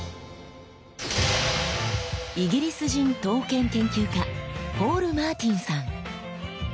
イギリス人刀剣研究家ポール・マーティンさん。